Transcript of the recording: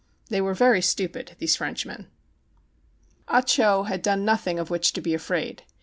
They were very stupid, these Frenchmen. 156 THE CHINAGO Ah Cho had done nothing of which to be afraid.